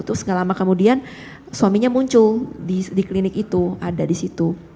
terus gak lama kemudian suaminya muncul di klinik itu ada di situ